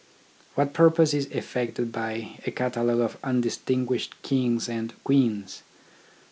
What purpose is effected by a catalogue of undistinguished kings and queens